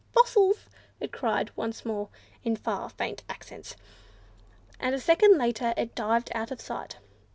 "Fossils!" it cried once more, in far, faint accents; and a second later it dived out of sight.